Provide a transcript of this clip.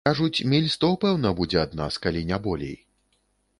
Кажуць, міль сто пэўна будзе ад нас, калі не болей?